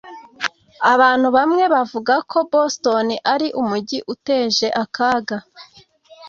Abantu bamwe bavuga ko Boston ari umujyi uteje akaga